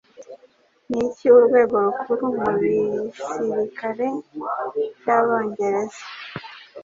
Niki Urwego Rukuru Mubisirikare byabongereza